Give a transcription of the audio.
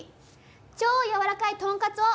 超やわらかいトンカツを！